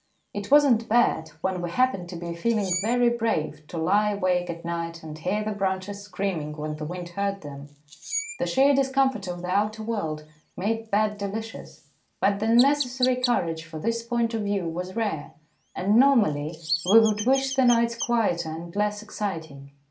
It was not bad when we happened to be feeling very brave to lie awake at night and hear the branches screaming when the wind hurt them. The sheer discomfort of the outer world made bed delicious. But the necessary courage for this point of view was rare, and normally we would wish the nights quieter and less exciting.